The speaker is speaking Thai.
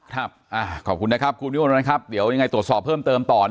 ขอบคุณนะครับคุณวิมวลวันครับเดี๋ยวยังไงตรวจสอบเพิ่มเติมต่อ